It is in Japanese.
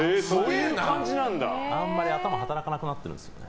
あんまり頭働かなくなってるんですよね。